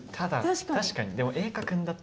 確かに。